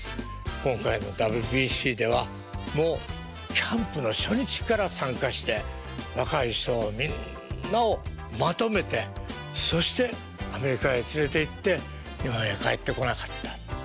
今回のＷＢＣではもうキャンプの初日から参加して若い人みんなをまとめてそしてアメリカへ連れていって日本へ帰ってこなかった。